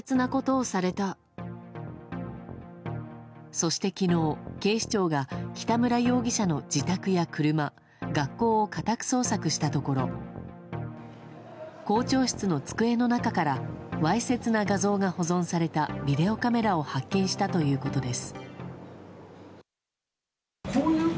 そして昨日、警視庁が北村容疑者の自宅や車学校を家宅捜索したところ校長室の机の中からわいせつな画像が保存されたビデオカメラを発見したということです。